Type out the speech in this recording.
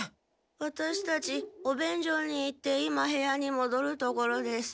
ワタシたちお便所に行って今部屋にもどるところです。